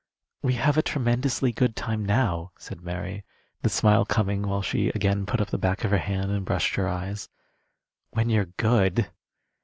"We have a tremendously good time now," said Mary, the smile coming while she again put up the back of her hand and brushed her eyes. "When you're good."